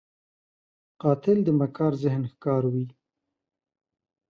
قاتل د مکار ذهن ښکار وي